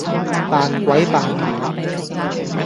扮鬼扮馬